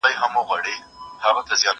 زه اوږده وخت د کتابتوننۍ سره خبري کوم